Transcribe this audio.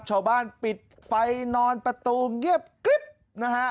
ชาวบ้านปิดไฟนอนประตูเงียบกริ๊บนะฮะ